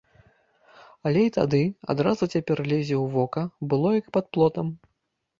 Але і тады, адразу цяпер лезе ў вока, было як пад плотам.